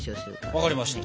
分かりました。